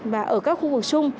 và ở các khu vực chung